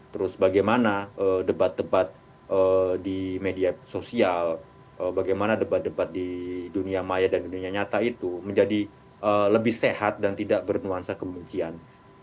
terus bagaimana debat debat di media sosial bagaimana debat debat di dunia maya dan dunia nyata itu menjadi lebih sehat dan tidak bernuansa kebencian